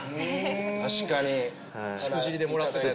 確かに「しくじり」でもらったやつ